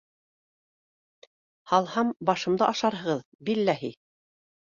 Һалһам — башымды ашарһығыҙ, билләһи!